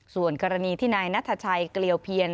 ส่วนกรณีที่นายนัทชัยเกลียวเพียน